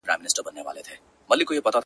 لونگۍ چي د سره ولوېږي، پر اوږو تکيه کېږي.